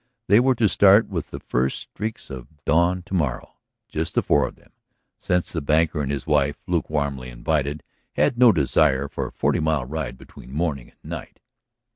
They were to start with the first streaks of dawn to morrow, just the four of them, since the banker and his wife, lukewarmly invited, had no desire for a forty mile ride between morning and night.